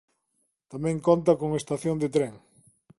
Tamén conta con estación de tren.